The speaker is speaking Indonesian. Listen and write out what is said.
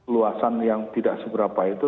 luasan yang tidak seberapa itu